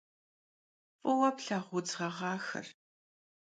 F'ıue flhağu vudz ğeğaxer.